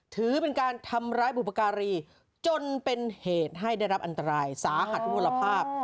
ถือเป็นการทำร้ายบุพการีจนเป็นเหตุให้ได้รับอันตรายสาหัสทุกมลภาพ